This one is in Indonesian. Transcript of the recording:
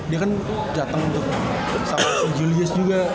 dia kan datang untuk sama julius juga